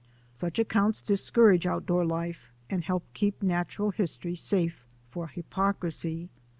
Such accounts discourage outdoor life and help keep natural history safe for hypocrisy.